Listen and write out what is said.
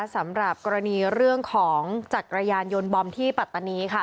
สำหรับกรณีเรื่องของจักรยานยนต์บอมที่ปัตตานีค่ะ